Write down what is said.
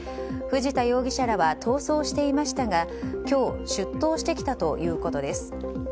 藤田容疑者らは逃走していましたが今日出頭してきたということです。